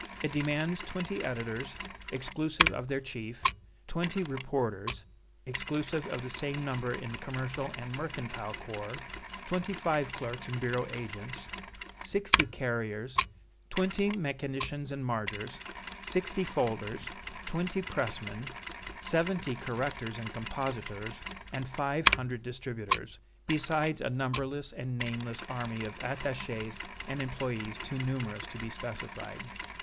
It demands twenty editors, exclusive of their chief, twenty reporters, exclusive of the same number in the commercial and mercantile corps; twenty five clerks and bureau agents, sixty carriers, twenty mechanicians and margers, sixty folders, twenty pressmen, seventy correctors and compositors and five hundred distributors, besides a numberless and nameless army of attachés and employés too numerous to be specified.